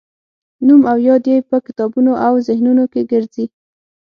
نوم او یاد یې په کتابونو او ذهنونو کې ګرځي.